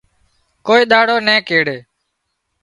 ڪوئي ۮاڙو نين ڪيڙي